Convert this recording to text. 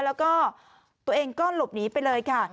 แล้วก็ตัวเองก็หลบหนีไปเลยค่ะ